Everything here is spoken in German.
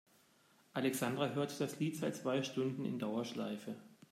Alexandra hört das Lied seit zwei Stunden in Dauerschleife.